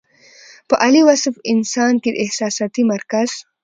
پۀ عالي وصف انسان کې د احساساتي مرکز